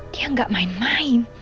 dia gak main main